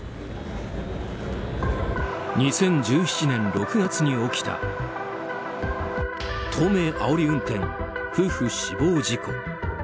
２０１７年６月に起きた東名あおり運転夫婦死亡事故。